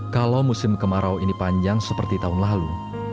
kalau musim kemarau ini panjang seperti tahun lalu